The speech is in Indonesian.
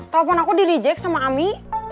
telepon aku di reject sama ami